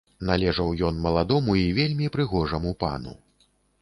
Належаў ён маладому і вельмі прыгожаму пану.